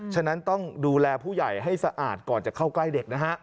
ฉะนั้นต้องดูแลผู้ใหญ่ให้สะอาดก่อนจะเข้าใกล้เด็กนะฮะ